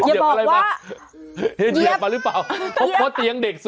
เหยียบออกว่าเหยียบ